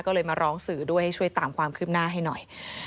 ก็เลยมาร้องสื่อด้วยให้ช่วยตามความคืบหน้าให้หน่อย